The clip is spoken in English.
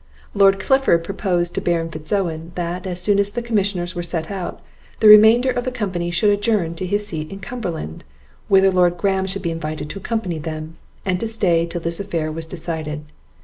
Lord Clifford proposed to Baron Fitz Owen, that, as soon as the commissioners were set out, the remainder of the company should adjourn to his seat in Cumberland, whither Lord Graham should be invited to accompany them, and to stay till this affair was decided.